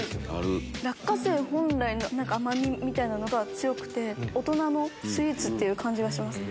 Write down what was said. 落花生本来の甘みみたいなのが強くて大人のスイーツって感じがします。